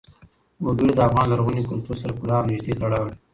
وګړي د افغان لرغوني کلتور سره پوره او نږدې تړاو لري.